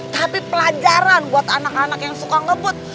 tapi pelajaran buat anak anak yang suka ngebut